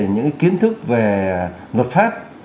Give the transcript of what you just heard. những cái kiến thức về luật pháp